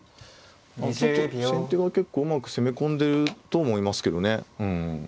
ちょっと先手が結構うまく攻め込んでると思いますけどね。